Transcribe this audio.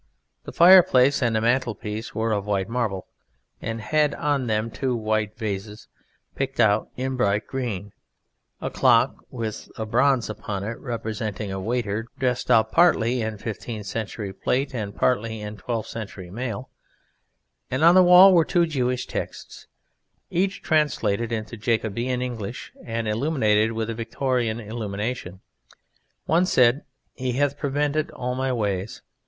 The fire place and the mantelpiece were of white marble and had on them two white vases picked out in bright green, a clock with a bronze upon it representing a waiter dressed up partly in fifteenth century plate and partly in twelfth century mail, and on the wall were two Jewish texts, each translated into Jacobean English and illuminated with a Victorian illumination. One said: "He hath prevented all my ways."